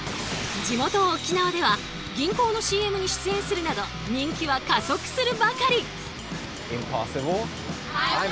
地元沖縄では銀行のＣＭに出演するなど人気は加速するばかり。